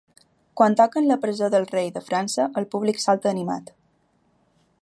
Quan toquen La presó del rei de França el públic salta animat.